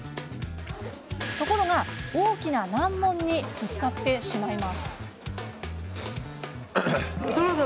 ところが、大きな難問にぶつかってしまいます。